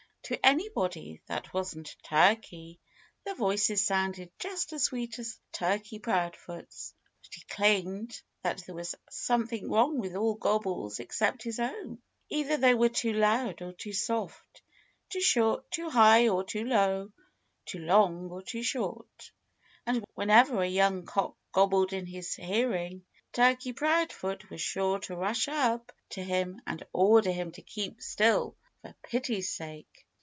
To anybody that wasn't a turkey, their voices sounded just as sweet as Turkey Proudfoot's. But he claimed that there was something wrong with all gobbles except his own. Either they were too loud or too soft, too high or too low, too long or too short. And whenever a young cock gobbled in his hearing Turkey Proudfoot was sure to rush up to him and order him to keep still, for pity's sake!